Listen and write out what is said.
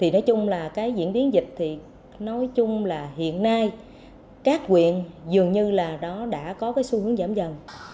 nói chung là diễn biến dịch hiện nay các quyền dường như đã có xu hướng giảm dần